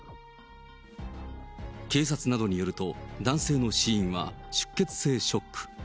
警察などによると、男性の死因は出血性ショック。